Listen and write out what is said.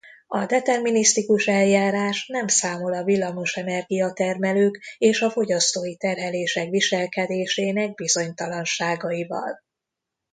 A determinisztikus eljárás nem számol a villamosenergia-termelők és a fogyasztói terhelések viselkedésének bizonytalanságaival.